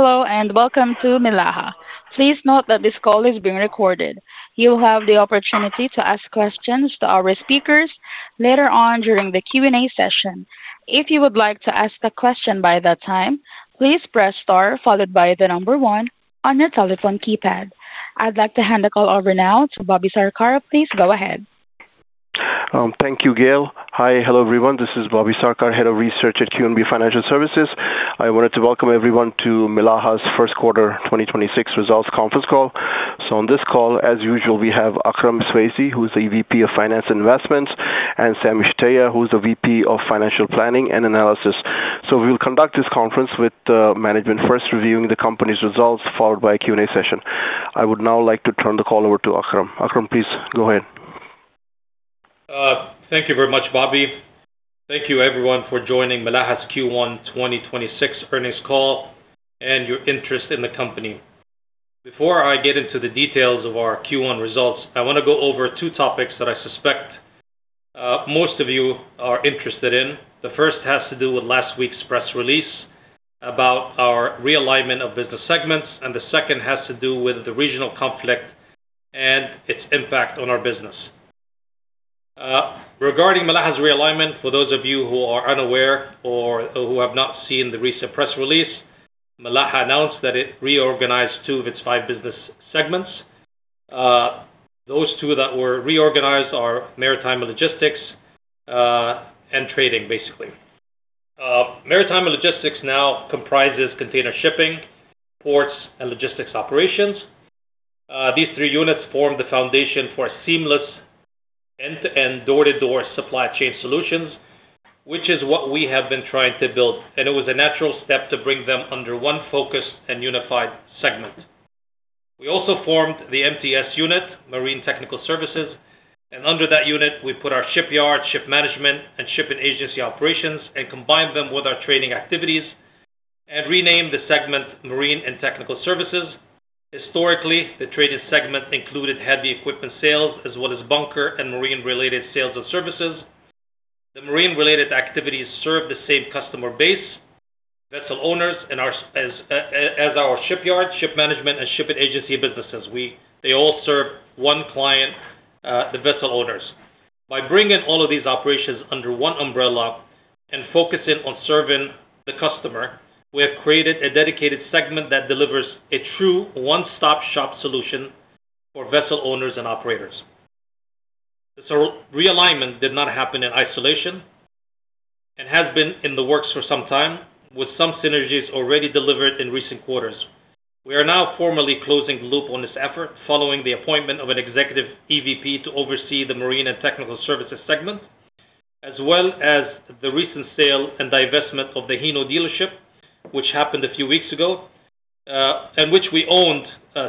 Hello, and welcome to Milaha. Please note that this call is being recorded. You will have the opportunity to ask questions to our speakers later on during the Q&A session. If you would like to ask a question by that time, please press star followed by the number one on your telephone keypad. I'd like to hand the call over now to Bobby Sarkar. Please go ahead. Thank you, Gail. Hi. Hello, everyone. This is Bobby Sarkar, Head of Research at QNB Financial Services. I wanted to welcome everyone to Milaha's first quarter 2026 results conference call. On this call, as usual, we have Akram Iswaisi, who is EVP of Finance Investments, and Sami Shtayyeh, who is the VP of Financial Planning and Analysis. We will conduct this conference with management first reviewing the company's results, followed by a Q&A session. I would now like to turn the call over to Akram. Akram, please go ahead. Thank you very much, Bobby. Thank you everyone for joining Milaha's Q1 2026 earnings call and your interest in the company. Before I get into the details of our Q1 results, I wanna go over two topics that I suspect most of you are interested in. The first has to do with last week's press release about our realignment of business segments, the second has to do with the regional conflict and its impact on our business. Regarding Milaha's realignment, for those of you who are unaware or who have not seen the recent press release, Milaha announced that it reorganized two of its five business segments. Those two that were reorganized are Milaha Maritime & Logistics and Trading, basically. Milaha Maritime & Logistics now comprises container shipping, ports, and logistics operations. These three units form the foundation for seamless end-to-end, door-to-door supply chain solutions, which is what we have been trying to build, and it was a natural step to bring them under one focus and unified segment. We also formed the MTS unit, Marine & Technical Services, and under that unit we put our shipyard, ship management, and shipping agency operations and combined them with our trading activities and renamed the segment Marine & Technical Services. Historically, the traded segment included heavy equipment sales as well as bunker and marine-related sales and services. The marine-related activities serve the same customer base, vessel owners in our as our shipyard, ship management, and shipping agency businesses. They all serve one client, the vessel owners. By bringing all of these operations under one umbrella and focusing on serving the customer, we have created a dedicated segment that delivers a true one-stop shop solution for vessel owners and operators. Realignment did not happen in isolation and has been in the works for some time, with some synergies already delivered in recent quarters. We are now formally closing the loop on this effort following the appointment of an Executive EVP to oversee the Marine & Technical Services segment, as well as the recent sale and divestment of the Hino dealership, which happened a few weeks ago, and which we owned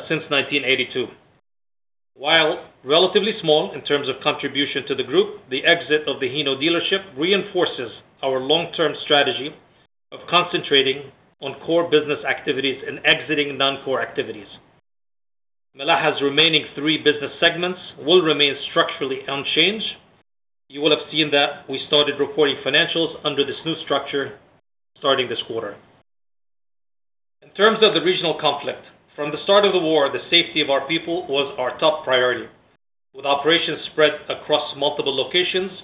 since 1982. While relatively small in terms of contribution to the group, the exit of the Hino dealership reinforces our long-term strategy of concentrating on core business activities and exiting non-core activities. Milaha's remaining three business segments will remain structurally unchanged. You will have seen that we started reporting financials under this new structure starting this quarter. In terms of the regional conflict, from the start of the war, the safety of our people was our top priority. With operations spread across multiple locations,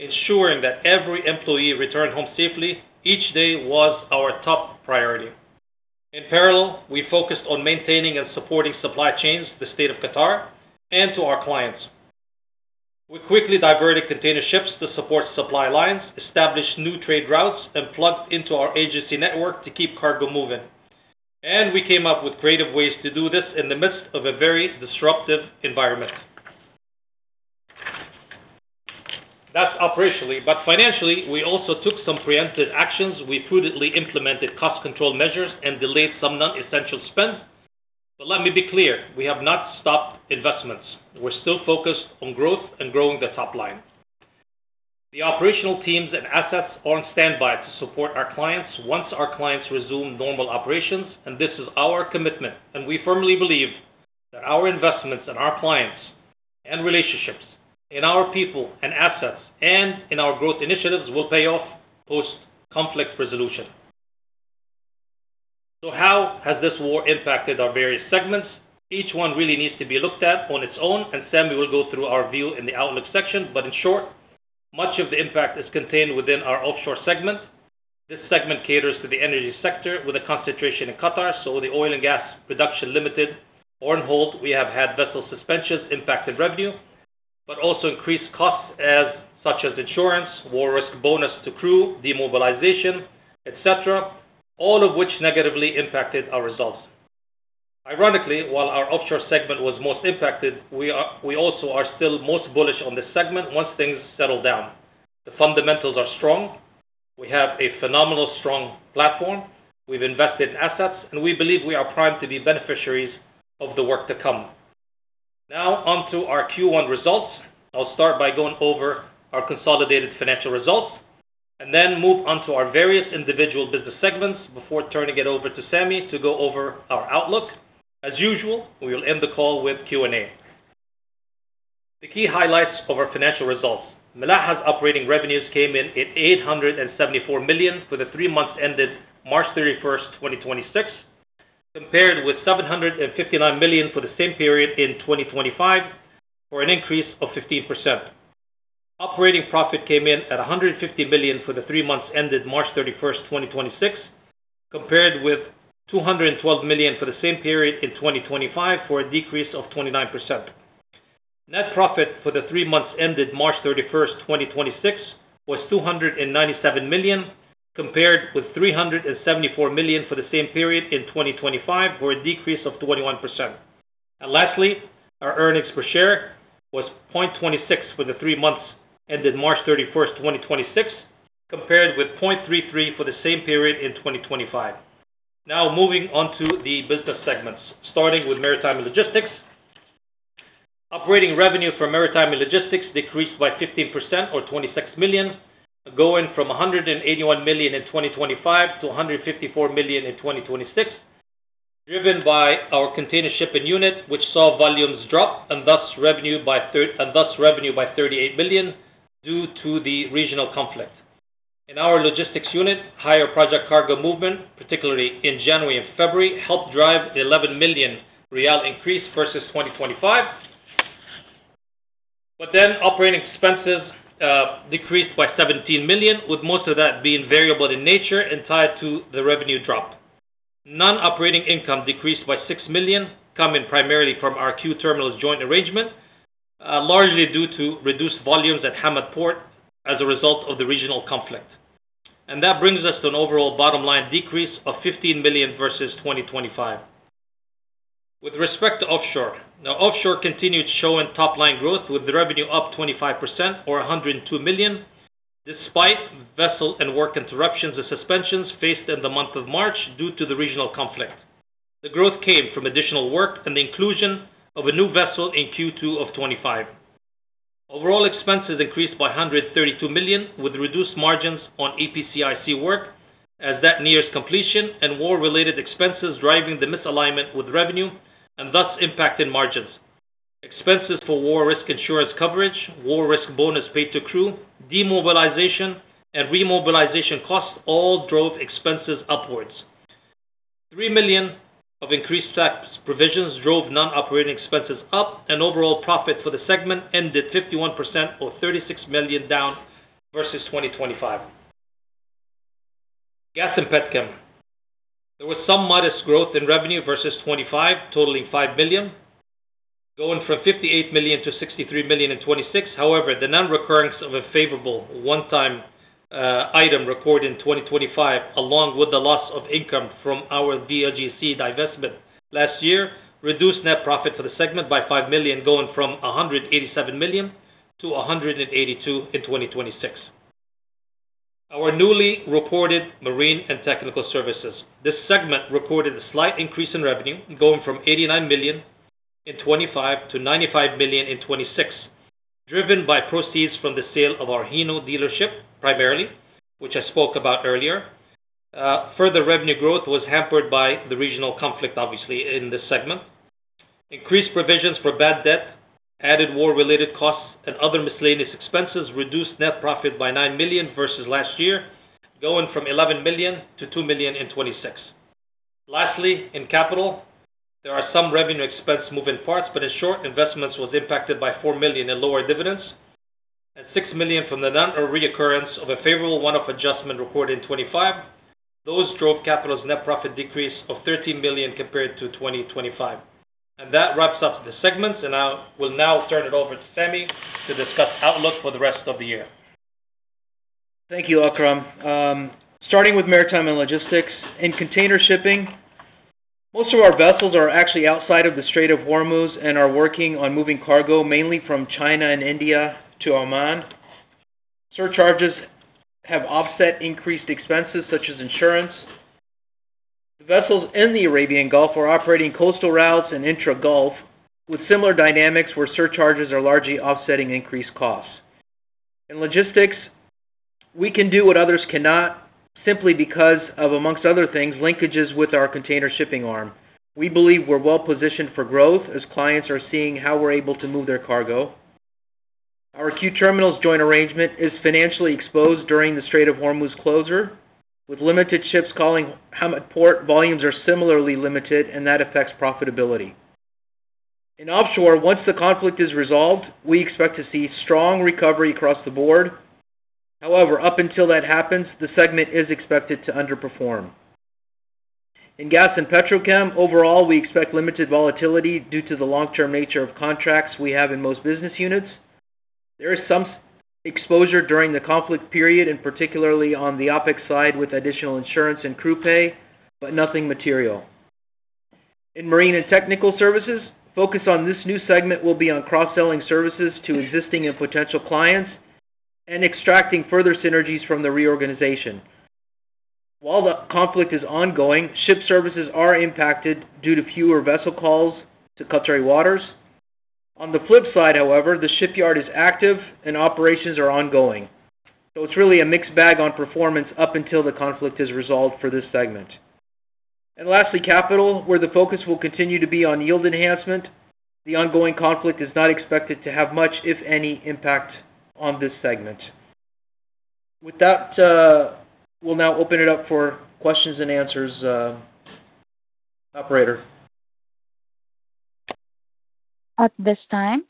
ensuring that every employee returned home safely each day was our top priority. In parallel, we focused on maintaining and supporting supply chains to the State of Qatar and to our clients. We quickly diverted container ships to support supply lines, established new trade routes, and plugged into our agency network to keep cargo moving. We came up with creative ways to do this in the midst of a very disruptive environment. That's operationally, but financially, we also took some preempted actions. We prudently implemented cost control measures and delayed some non-essential spend. Let me be clear, we have not stopped investments. We're still focused on growth and growing the top line. The operational teams and assets are on standby to support our clients once our clients resume normal operations and this is our commitment. We firmly believe that our investments in our clients and relationships, in our people and assets, and in our growth initiatives will pay off post-conflict resolution. How has this war impacted our various segments? Each one really needs to be looked at on its own and Sami will go through our view in the outlook section. In short, much of the impact is contained within our offshore segment. This segment caters to the energy sector with a concentration in Qatar. With the oil and gas production limited or on hold, we have had vessel suspensions impacted revenue, but also increased costs such as insurance, war risk bonus to crew, demobilization, etc., all of which negatively impacted our results. Ironically, while our Offshore segment was most impacted, we also are still most bullish on this segment once things settle down. The fundamentals are strong. We have a phenomenal, strong platform. We've invested in assets, and we believe we are primed to be beneficiaries of the work to come. Now on to our Q1 results. I'll start by going over our consolidated financial results and then move on to our various individual business segments before turning it over to Sami to go over our outlook. As usual, we will end the call with Q&A. The key highlights of our financial results. Milaha's operating revenues came in at 874 million for the three months ended March 31st, 2026, compared with 759 million for the same period in 2025, or an increase of 15%. Operating profit came in at 150 million for the three months ended March 31st, 2026, compared with 212 million for the same period in 2025, for a decrease of 29%. Net profit for the three months ended March 31st, 2026, was 297 million, compared with 374 million for the same period in 2025, for a decrease of 21%. Lastly, our earnings per share was 0.26 for the three months ended March 31st, 2026, compared with 0.33 for the same period in 2025. Now moving on to the business segments, starting with Maritime & Logistics. Operating revenue for Maritime & Logistics decreased by 15% or 26 million, going from 181 million in 2025 to 154 million in 2026, driven by our container shipping unit, which saw volumes drop and thus revenue by 38 million due to the regional conflict. In our logistics unit, higher project cargo movement, particularly in January and February, helped drive the 11 million riyal increase versus 2025 but then operating expenses decreased by 17 million, with most of that being variable in nature and tied to the revenue drop. Non-operating income decreased by 6 million, coming primarily from our QTerminals joint arrangement, largely due to reduced volumes at Hamad Port as a result of the regional conflict and that brings us to an overall bottom line decrease of 15 million versus 2025. With respect to Offshore. Now Offshore continued showing top-line growth, with the revenue up 25% or 102 million, despite vessel and work interruptions or suspensions faced in the month of March due to the regional conflict. The growth came from additional work and the inclusion of a new vessel in Q2 of 2025. Overall expenses increased by 132 million, with reduced margins on EPCIC work as that nears completion and war-related expenses driving the misalignment with revenue and thus impacting margins. Expenses for war risk insurance coverage, war risk bonus paid to crew, demobilization, and remobilization costs all drove expenses upwards. 3 million of increased tax provisions drove non-operating expenses up and overall profit for the segment ended 51% or 36 million down versus 2025. Gas & Petchem. There was some modest growth in revenue versus 2025, totaling 5 million, going from 58 million to 63 million in 2026. However, the non-recurrence of a favorable one-time item recorded in 2025, along with the loss of income from our VLGC divestment last year, reduced net profit for the segment by 5 million, going from 187 million to 182 million in 2026. Our newly reported Marine & Technical Services. This segment reported a slight increase in revenue, going from 89 million in 2025 to 95 million in 2026, driven by proceeds from the sale of our Hino dealership, primarily, which I spoke about earlier. Further revenue growth was hampered by the regional conflict, obviously, in this segment. Increased provisions for bad debt, added war-related costs, and other miscellaneous expenses reduced net profit by 9 million versus last year, going from 11 million to 2 million in 2026. Lastly, in capital, there are some revenue expense moving parts, but in short, investments was impacted by 4 million in lower dividends and 6 million from the non-reoccurrence of a favorable one-off adjustment recorded in 2025. Those drove capital's net profit decrease of 13 million compared to 2025 and that wraps up the segments, and I will now turn it over to Sami to discuss outlook for the rest of the year. Thank you, Akram. Starting with Maritime & Logistics. In container shipping, most of our vessels are actually outside of the Strait of Hormuz and are working on moving cargo mainly from China and India to Oman. Surcharges have offset increased expenses such as insurance. The vessels in the Arabian Gulf are operating coastal routes and intra-Gulf with similar dynamics where surcharges are largely offsetting increased costs. In logistics, we can do what others cannot simply because of, amongst other things, linkages with our container shipping arm. We believe we're well-positioned for growth as clients are seeing how we're able to move their cargo. Our QTerminals joint arrangement is financially exposed during the Strait of Hormuz closure. With limited ships calling Hamad Port, volumes are similarly limited, and that affects profitability. In Offshore, once the conflict is resolved, we expect to see strong recovery across the board. However, up until that happens, the segment is expected to underperform. In Gas & Petrochem, overall, we expect limited volatility due to the long-term nature of contracts we have in most business units. There is some exposure during the conflict period, and particularly on the OpEx side with additional insurance and crew pay, but nothing material. In Marine & Technical Services, focus on this new segment will be on cross-selling services to existing and potential clients and extracting further synergies from the reorganization. While the conflict is ongoing, ship services are impacted due to fewer vessel calls to Qatari waters. On the flip side, however, the shipyard is active and operations are ongoing, so It's really a mixed bag on performance up until the conflict is resolved for this segment. Lastly, Capital, where the focus will continue to be on yield enhancement. The ongoing conflict is not expected to have much, if any, impact on this segment. With that, we'll now open it up for questions and answers, operator. At this time,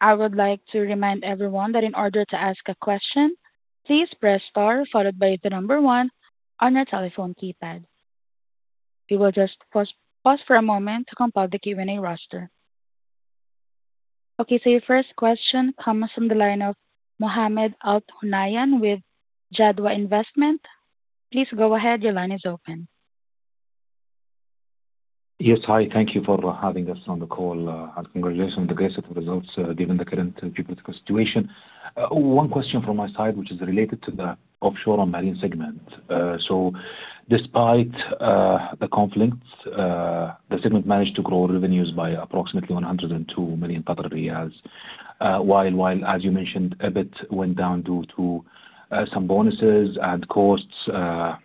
I would like to remind everyone that in order to ask a question, please press star followed by the number one on your telephone keypad. We will just pause for a moment to compile the Q&A roster. Your first question comes from the line of Mohammed Al-Thunayan with Jadwa Investment. Please go ahead. Your line is open. Yes, hi. Thank you for having us on the call. Congratulations on the great set of results, given the current geopolitical situation. One question from my side, which is related to the Offshore & Marine segment. Despite the conflict, the segment managed to grow revenues by approximately 102 million riyals, while, as you mentioned, EBIT went down due to some bonuses and costs that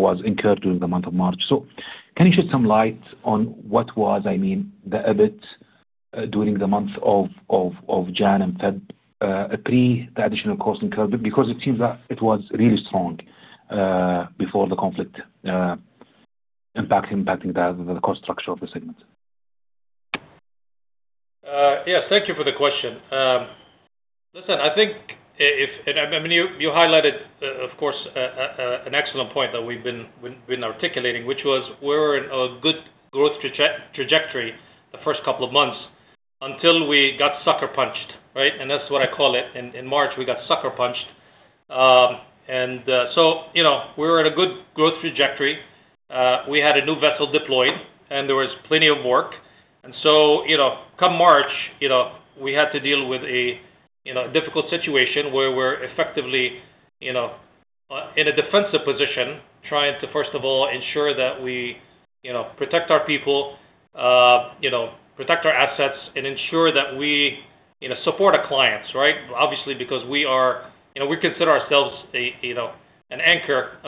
was incurred during the month of March. Can you shed some light on what was, I mean, the EBIT during the months of Jan and Feb, pre the additional cost incurred? Because it seems that it was really strong before the conflict impacting the cost structure of the segment. Yes, thank you for the question. Listen, I think if... I mean, you highlighted, of course, an excellent point that we've been, we've been articulating, which was we're in a good growth trajectory the first couple of months until we got sucker punched, right? That's what I call it. In March, we got sucker punched. So, you know, we were at a good growth trajectory. We had a new vessel deployed, and there was plenty of work. So, you know, come March, you know, we had to deal with a, you know, difficult situation where we're effectively, you know, in a defensive position, trying to, first of all, ensure that we, you know, protect our people, you know, protect our assets and ensure that we, you know, support our clients, right? Obviously, because we are, you know, we consider ourselves a, you know, an anchor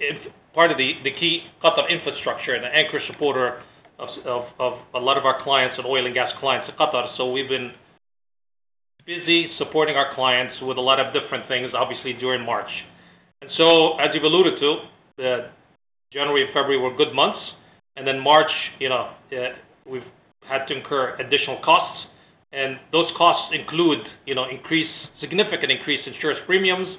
in part of the key Qatar infrastructure, an anchor supporter of a lot of our clients and oil and gas clients in Qatar. We've been busy supporting our clients with a lot of different things, obviously, during March. As you've alluded to, the January and February were good months, and then March, you know, we've had to incur additional costs. Those costs include, you know, significant increased insurance premiums.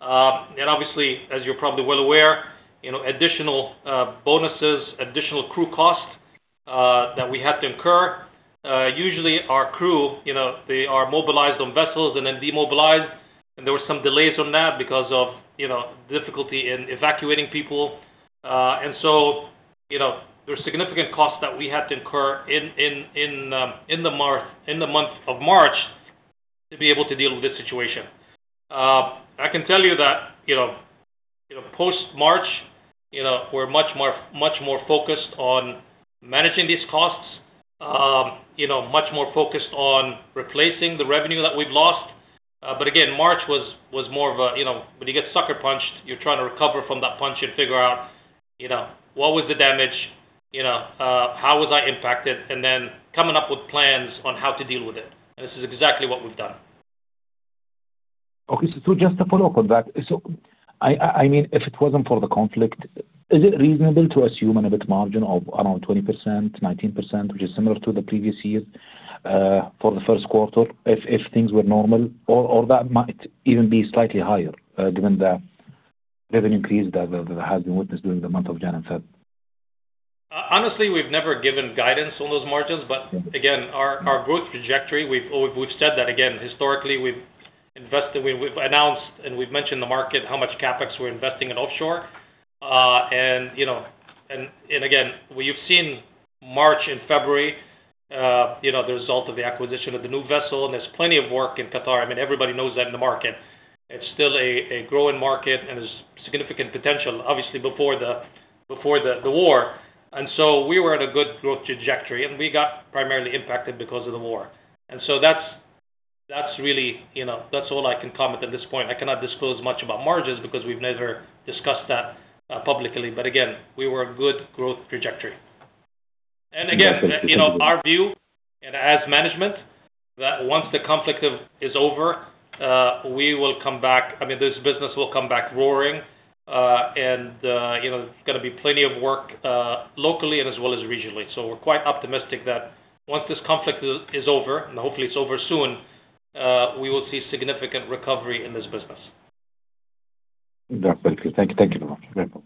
And obviously, as you're probably well aware, you know, additional bonuses, additional crew costs that we had to incur. Usually our crew, you know, they are mobilized on vessels and then demobilized, and there were some delays on that because of, you know, difficulty in evacuating people. You know, there were significant costs that we had to incur in the month of March to be able to deal with this situation. I can tell you that, you know, you know, post-March, you know, we're much more focused on managing these costs. You know, much more focused on replacing the revenue that we've lost. March was more of a, you know, when you get sucker punched, you're trying to recover from that punch and figure out, you know, what was the damage, you know, how was I impacted, and then coming up with plans on how to deal with it. This is exactly what we've done. Just a follow-up on that. I mean, if it wasn't for the conflict, is it reasonable to assume an EBIT margin of around 20%, 19%, which is similar to the previous years, for the first quarter if things were normal or that might even be slightly higher, given the revenue increase that has been witnessed during the month of January and February? Honestly, we've never given guidance on those margins. Our growth trajectory, we've said that again, historically, we've invested, we've announced and we've mentioned the market, how much CapEx we're investing in offshore. You know, and again, we've seen March and February, you know, the result of the acquisition of the new vessel, and there's plenty of work in Qatar. I mean, everybody knows that in the market. It's still a growing market, and there's significant potential, obviously, before the war. We were at a good growth trajectory, and we got primarily impacted because of the war. That's really, you know, that's all I can comment at this point. I cannot disclose much about margins because we've never discussed that publicly. We were a good growth trajectory. And again- Yes, that's reasonable. You know, our view and as management, that once the conflict is over, we will come back. I mean, this business will come back roaring. You know, there's gonna be plenty of work, locally and as well as regionally. We're quite optimistic that once this conflict is over, and hopefully it's over soon, we will see significant recovery in this business. Yeah. Thank you. Thank you very much. Thank you.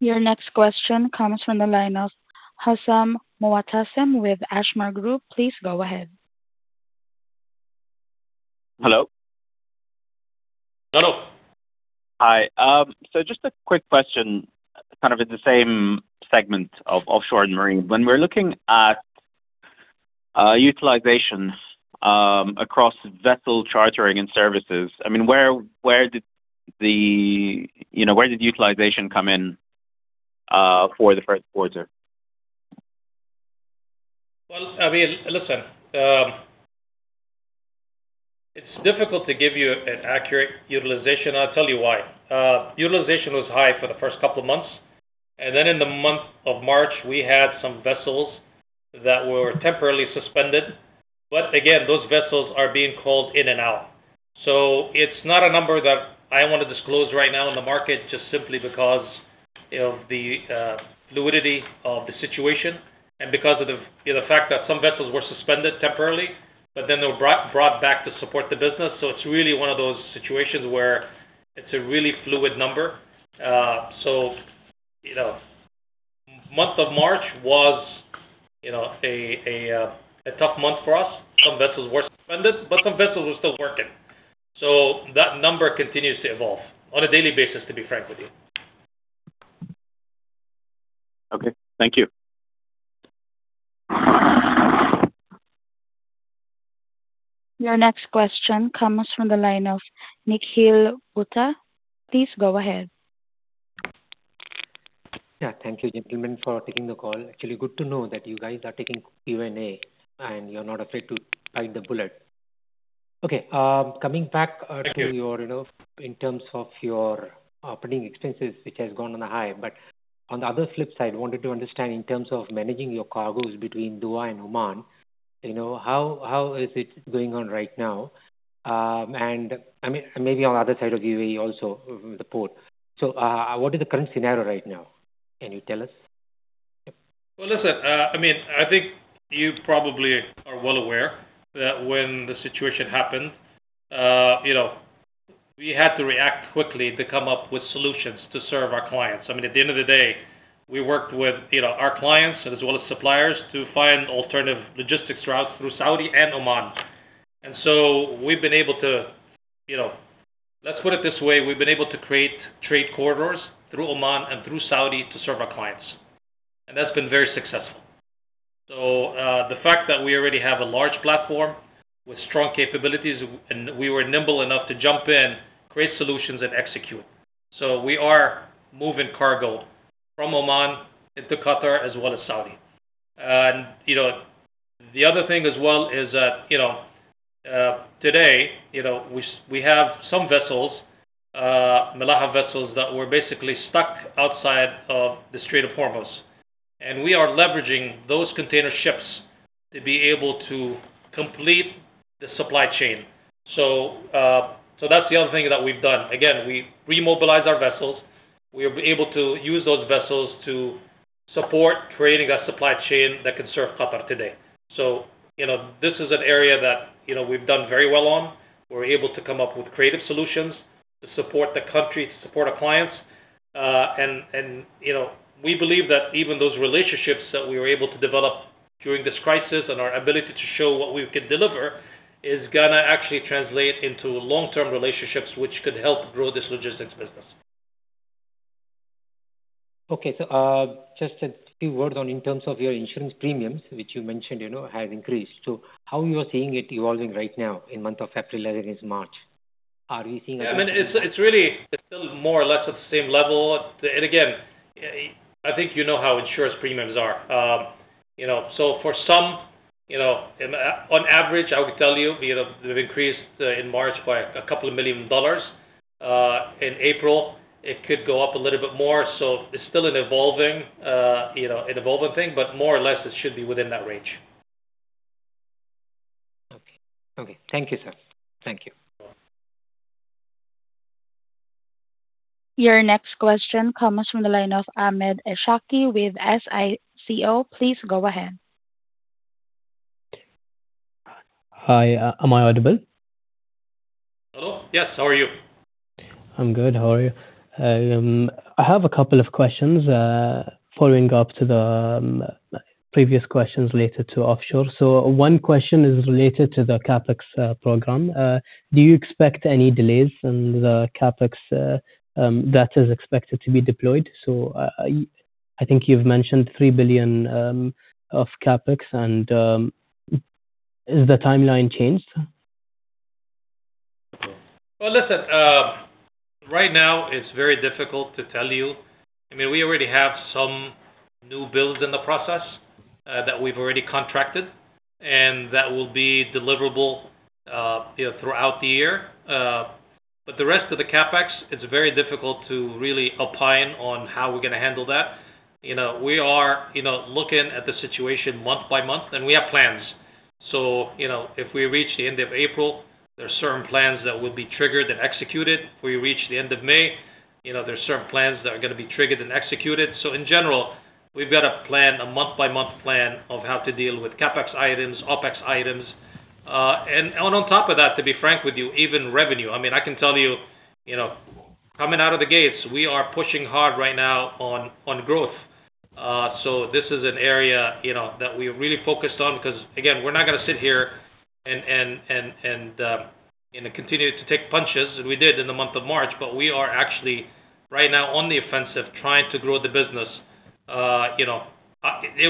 Your next question comes from the line of Hassam Muwatasim with Ashmore Group. Please go ahead. Hello? Hello. Hi. Just a quick question, kind of in the same segment of Offshore & Marine. When we're looking at utilization, across vessel chartering and services, I mean, you know, where did utilization come in for the first quarter? I mean, listen, it's difficult to give you an accurate utilization. I'll tell you why. Utilization was high for the first couple of months, and then in the month of March, we had some vessels that were temporarily suspended. Again, those vessels are being called in and out. It's not a number that I want to disclose right now in the market, just simply because of the fluidity of the situation and because of the, you know, the fact that some vessels were suspended temporarily, but then they were brought back to support the business. It's really one of those situations where it's a really fluid number. You know, month of March was, you know, a tough month for us. Some vessels were suspended, but some vessels were still working and that number continues to evolve on a daily basis, to be frank with you. Okay. Thank you. Your next question comes from the line of Nikhil Bhuta. Please go ahead. Yeah, thank you, gentlemen, for taking the call. Actually, good to know that you guys are taking Q&A, and you're not afraid to bite the bullet. Okay. Thank you. To your, you know, in terms of your operating expenses, which has gone on the high. On the other flip side, wanted to understand in terms of managing your cargoes between Dubai and Oman, you know, how is it going on right now? I mean, maybe on the other side of U.A.E. also, the port. What is the current scenario right now? Can you tell us? Well, listen, I mean, I think you probably are well aware that when the situation happened, you know, we had to react quickly to come up with solutions to serve our clients. I mean, at the end of the day, we worked with, you know, our clients as well as suppliers to find alternative logistics routes through Saudi and Oman. Let's put it this way, we've been able to create trade corridors through Oman and through Saudi to serve our clients, and that's been very successful. The fact that we already have a large platform with strong capabilities, and we were nimble enough to jump in, create solutions and execute. We are moving cargo from Oman into Qatar as well as Saudi. You know, the other thing as well is that, you know, today, you know, we have some vessels, Milaha vessels that were basically stuck outside of the Strait of Hormuz, and we are leveraging those container ships to be able to complete the supply chain. That's the other thing that we've done. Again, we remobilize our vessels. We're able to use those vessels to support creating a supply chain that can serve Qatar today. You know, this is an area that, you know, we've done very well on. We're able to come up with creative solutions to support the country, to support our clients. You know, we believe that even those relationships that we were able to develop during this crisis and our ability to show what we can deliver is gonna actually translate into long-term relationships which could help grow this logistics business. Okay. Just a few words on in terms of your insurance premiums, which you mentioned, you know, have increased. How you are seeing it evolving right now in month of April as against March? I mean, it's really, it's still more or less at the same level. Again, I think you know how insurance premiums are. You know, for some, you know, on average, I would tell you know, they've increased in March by a couple of million dollars. In April, it could go up a little bit more. It's still an evolving, you know, an evolving thing, but more or less it should be within that range. Okay. Okay. Thank you, sir. Thank you. Your next question comes from the line of Ahmed Es'haqi with SICO. Please go ahead. Hi, am I audible? Hello? Yes, how are you? I'm good. How are you? I have a couple of questions following up to the previous questions related to offshore. One question is related to the CapEx program. Do you expect any delays in the CapEx that is expected to be deployed? I think you've mentioned 3 billion of CapEx and is the timeline changed? Listen, right now it's very difficult to tell you. I mean, we already have some new builds in the process that we've already contracted and that will be deliverable, you know, throughout the year. The rest of the CapEx, it's very difficult to really opine on how we're gonna handle that. You know, we are, you know, looking at the situation month by month, we have plans. You know, if we reach the end of April, there are certain plans that will be triggered and executed. If we reach the end of May, you know, there are certain plans that are gonna be triggered and executed. In general, we've got a plan, a month-by-month plan of how to deal with CapEx items, OpEx items, and on top of that, to be frank with you, even revenue. I mean, I can tell you know, coming out of the gates, we are pushing hard right now on growth. This is an area, you know, that we're really focused on because, again, we're not gonna sit here and, you know, continue to take punches as we did in the month of March. We are actually right now on the offensive trying to grow the business, you know,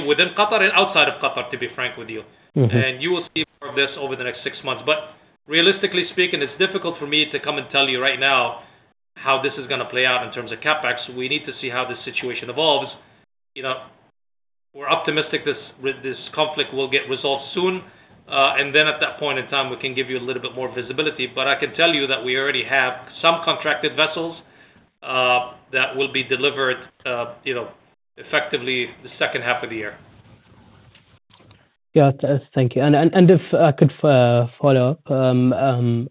within Qatar and outside of Qatar, to be frank with you. Mm-hmm. You will see more of this over the next six months. Realistically speaking, it's difficult for me to come and tell you right now how this is gonna play out in terms of CapEx, we need to see how the situation evolves. You know, we're optimistic this conflict will get resolved soon. Then at that point in time, we can give you a little bit more visibility. I can tell you that we already have some contracted vessels that will be delivered, you know, effectively the second half of the year. Got it. Thank you. If I could follow up,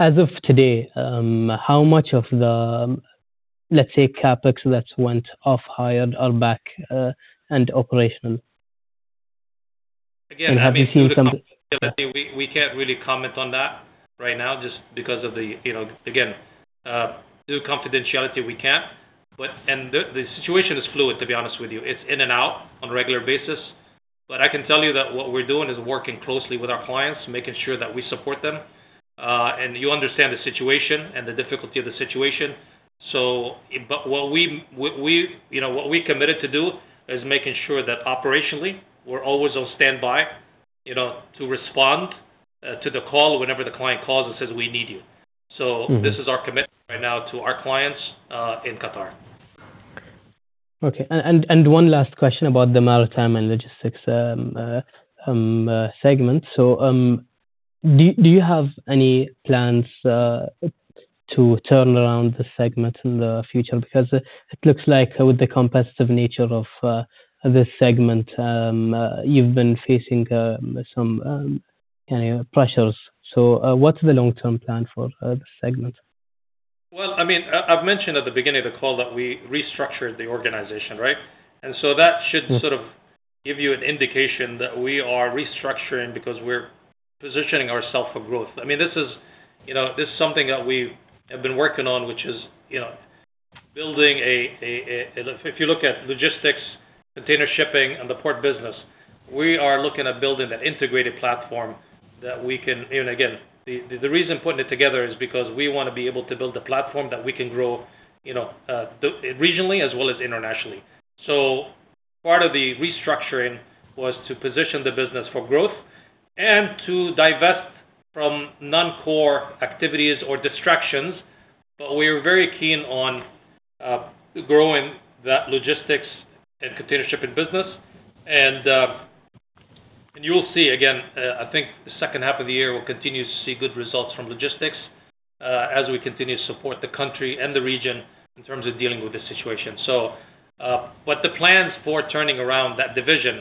as of today, how much of the, let's say, CapEx that went off-hire are back and operational? Have you seen some- Again, I mean, due to confidentiality, we can't really comment on that right now just because of the, you know. Again, due to confidentiality, we can't. The situation is fluid, to be honest with you. It's in and out on a regular basis. I can tell you that what we're doing is working closely with our clients, making sure that we support them. You understand the situation and the difficulty of the situation. What we, you know, what we committed to do is making sure that operationally, we're always on standby, you know, to respond to the call whenever the client calls and says, "We need you. Mm-hmm. This is our commitment right now to our clients, in Qatar. Okay. One last question about the Maritime & Logistics segment. Do you have any plans to turn around the segment in the future? It looks like with the competitive nature of this segment, you've been facing some, you know, pressures. What is the long-term plan for the segment? Well, I mean, I've mentioned at the beginning of the call that we restructured the organization, right? That should sort of give you an indication that we are restructuring because we're positioning ourselves for growth. I mean, this is, you know, this is something that we have been working on, which is, you know, building a- if you look at logistics, container shipping and the port business, we are looking at building an integrated platform. Again, the reason putting it together is because we wanna be able to build a platform that we can grow, you know, regionally as well as internationally. Part of the restructuring was to position the business for growth and to divest from non-core activities or distractions. We are very keen on growing that logistics and container shipping business. You'll see again, I think the second half of the year, we'll continue to see good results from logistics, as we continue to support the country and the region in terms of dealing with this situation. But the plans for turning around that division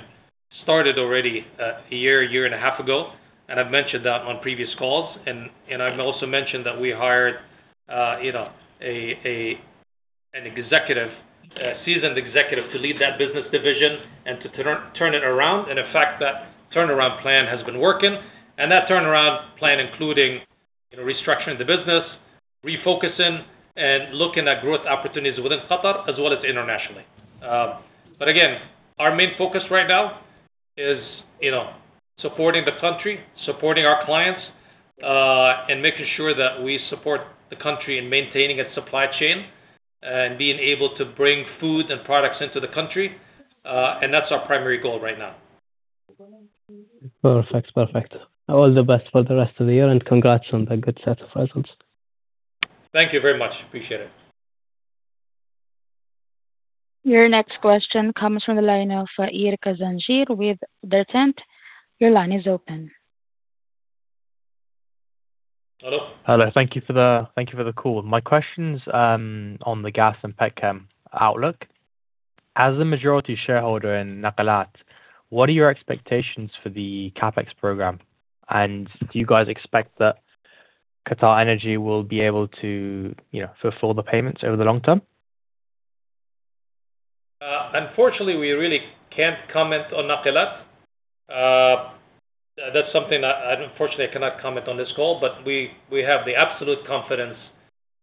started already, a year and a half ago, and I've mentioned that on previous calls. I've also mentioned that we hired, you know, an executive, a seasoned executive to lead that business division and to turn it around. In fact, that turnaround plan has been working, and that turnaround plan including, you know, restructuring the business, refocusing and looking at growth opportunities within Qatar as well as internationally. Again, our main focus right now is, you know, supporting the country, supporting our clients, and making sure that we support the country in maintaining its supply chain and being able to bring food and products into the country. That's our primary goal right now. Perfect. Perfect. All the best for the rest of the year, and congrats on the good set of results. Thank you very much. Appreciate it. Your next question comes from the line of [Irkaz Anjir] with [Detent]. Your line is open. Hello. Hello. Thank you for the call. My question's on the Gas & Petchem outlook. As the majority shareholder in Nakilat, what are your expectations for the CapEx program? Do you guys expect that QatarEnergy will be able to, you know, fulfill the payments over the long term? Unfortunately, we really can't comment on Nakilat. That's something I, unfortunately I cannot comment on this call. We have the absolute confidence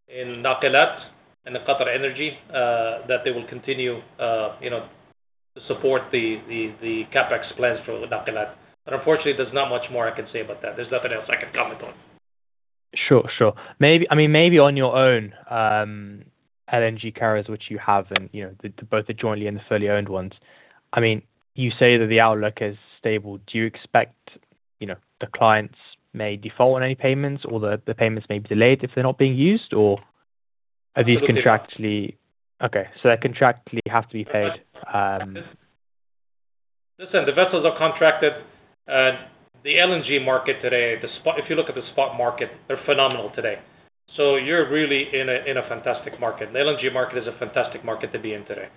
in Nakilat and QatarEnergy, that they will continue, you know, to support the CapEx plans for Nakilat. Unfortunately, there's not much more I can say about that. There's nothing else I can comment on. Sure. Sure. I mean, maybe on your own LNG carriers, which you have and, you know, both the jointly and the fully owned ones. I mean, you say that the outlook is stable. Do you expect, you know, the clients may default on any payments or the payments may be delayed if they're not being used? Or are these contractually- Let's look into that. They contractually have to be paid. Listen, the vessels are contracted. The LNG market today, if you look at the spot market, they're phenomenal today. You're really in a fantastic market. The LNG market is a fantastic market to be in today.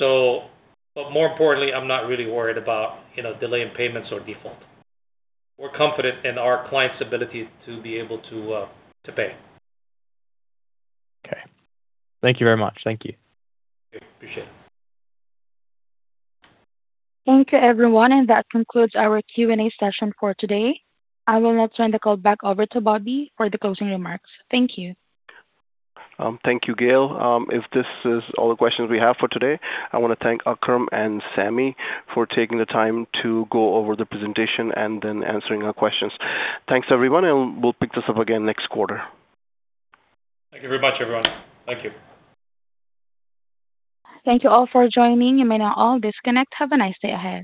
More importantly, I'm not really worried about, you know, delay in payments or default. We're confident in our clients' ability to be able to pay. Okay. Thank you very much. Thank you. Okay. Appreciate it. Thank you, everyone. That concludes our Q&A session for today. I will now turn the call back over to Bobby for the closing remarks. Thank you. Thank you, Gail. If this is all the questions we have for today, I wanna thank Akram and Sami for taking the time to go over the presentation and then answering our questions. Thanks, everyone. We'll pick this up again next quarter. Thank you very much, everyone. Thank you. Thank you all for joining. You may now all disconnect. Have a nice day ahead.